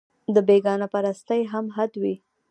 د بېګانه پرستۍ هم حد وي